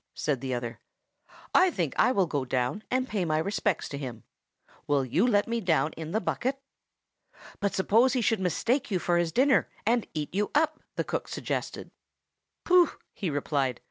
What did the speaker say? said the other. "I think I will go down and pay my respects to him. Will you let me down in the bucket?" "But suppose he should mistake you for his dinner, and eat you up?" the cook suggested. "Pooh!" he replied.